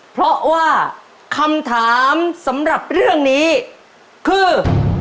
เพราะว่าคำถามสำหรับเรื่องนี้คือ